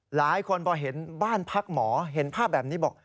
หลายคนพอเห็นบ้านพักหมอเห็นภาพแบบนี้บอก